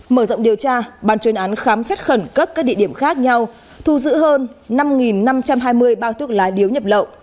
mở rộng điều tra ban chuyên án khám xét khẩn cấp các địa điểm khác nhau thu giữ hơn năm năm trăm hai mươi bao thuốc lá điếu nhập lậu